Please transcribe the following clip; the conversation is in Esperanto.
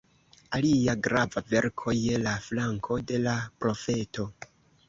Alia grava verko: "Je la flanko de la profeto.